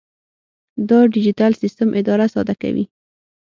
دا ډیجیټل سیسټم اداره ساده کوي.